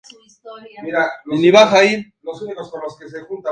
Tras esto el club busco renovar el contrato.